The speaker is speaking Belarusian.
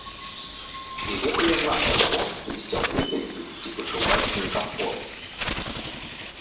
І гэта не знак таго, што дзіця блытаецца ці пачуваецца не камфортна.